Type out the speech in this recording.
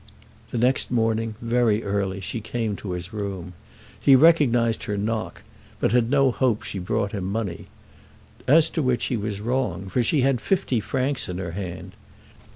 The next morning, very early, she came to his room. He recognised her knock, but had no hope she brought him money; as to which he was wrong, for she had fifty francs in her hand.